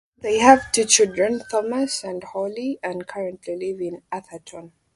They have two children, Thomas and Hollie, and currently live in Atherton.